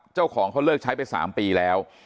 เจ้าของเขาเลิกใช้ไป๓ปีแล้ว